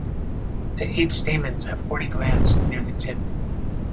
The eight stamens have warty glands near the tip.